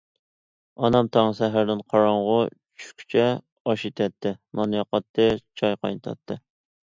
ئانام تاڭ سەھەردىن قاراڭغۇ چۈشكىچە ئاش ئېتەتتى، نان ياقاتتى، چاي قاينىتاتتى.